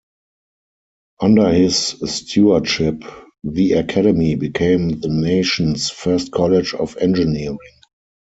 Under his stewardship, the Academy became the nation's first college of engineering.